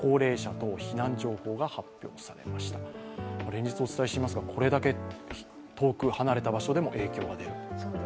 連日お伝えしていますがこれだけ遠く離れた場所でも影響が出る。